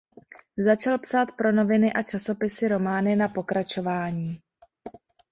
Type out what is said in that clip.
Začal psát pro noviny a časopisy romány na pokračování.